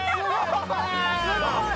すごい！